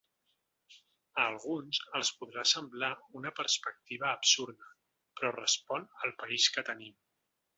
A alguns els podrà semblar una perspectiva absurda, però respon al país que tenim.